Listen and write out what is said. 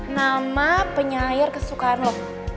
nama penyelayar kesukaan lo